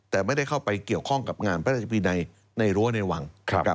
แต่ไม่ได้เข้าไปเกี่ยวข้องกับงานพระราชวินัยในรั้วในวัง